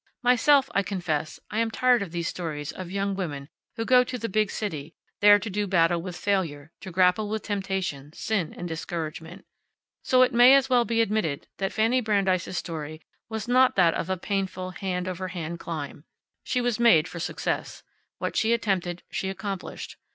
Myself, I confess I am tired of these stories of young women who go to the big city, there to do battle with failure, to grapple with temptation, sin and discouragement. So it may as well be admitted that Fanny Brandeis' story was not that of a painful hand over hand climb. She was made for success. What she attempted, she accomplished.